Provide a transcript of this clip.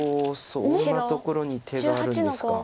そんなところに手があるんですか。